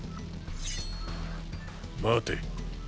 待て。